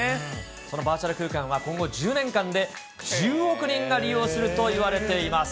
そのバーチャル空間は、今後１０年間で１０億人が利用するといわれています。